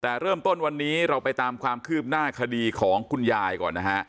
แต่เริ่มต้นวันนี้เราไปตามความคืบหน้าคดีของคุณยายก่อนนะฮะ